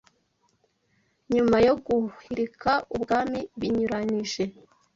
Nyuma yo guhirika ubwami binyuranyije